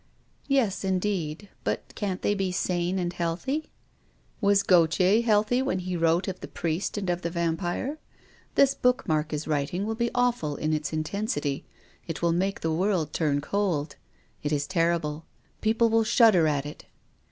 " Yes, indeed. But can't they be sane and healthy ?" Was Gautier healthy when he wrote of the Priest and of the Vampire? This book Mark is writing will be awful in its intensity. It will make the world turn cold. It is terrible. Peo ple will shudder at it."